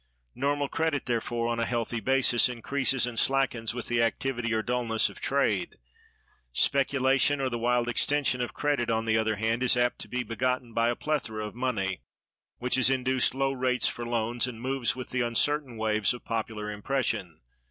Normal credit, therefore, on a healthy basis, increases and slackens with the activity or dullness of trade. Speculation, or the wild extension of credit, on the other hand, is apt to be begotten by a plethora of money, which has induced low rates for loans, and moves with the uncertain waves of popular impression.